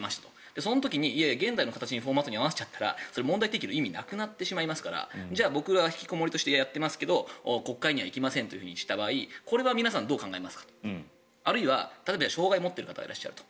その時に現代の形にフォーマットに合わせちゃったら問題提起の意味がなくなっちゃいますから引きこもりとしてやっていますが国会には行きませんとした時にこれは皆さんどう考えますか？と例えば障害を持っている方がいらっしゃると。